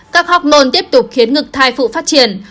các hormone tiếp tục khiến ngực thai phụ phát triển